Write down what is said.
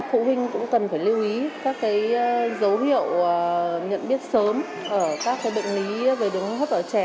phụ huynh cũng cần phải lưu ý các dấu hiệu nhận biết sớm ở các bệnh lý về đường hô hấp ở trẻ